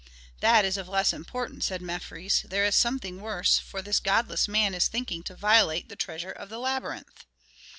"That is of less importance," said Mefres; "there is something worse, for this godless man is thinking to violate the treasure of the labyrinth."